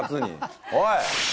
おい！